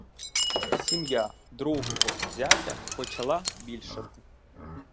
Сім'я другого зятя почала більшати.